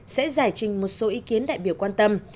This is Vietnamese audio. sẽ giải trình một số ý kiến đại biểu quan tâm